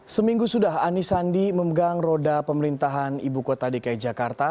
seminggu sudah anies sandi memegang roda pemerintahan ibu kota dki jakarta